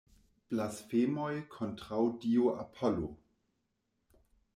Blasfemoj kontraŭ dio Apollo!